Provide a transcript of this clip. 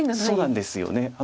そうなんですよね。